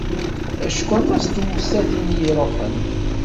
Acku aṭas n tewsatin i iruḥen.